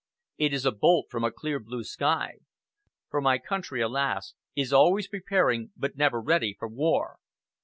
It is a bolt from a clear blue sky; for my country, alas, is always preparing but never ready for war.